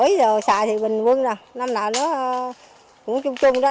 ổi rồi xài thì bình quân nè năm nào nó cũng chung chung đó